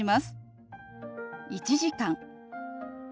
「１時間」。